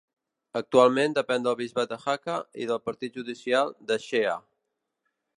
Actualment depèn del bisbat de Jaca i del partit judicial d'Eixea.